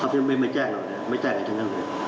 เขาจะไม่แจ้งเราไม่แจ้งกันทั้งเลย